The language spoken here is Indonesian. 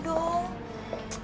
terus terang ya jeng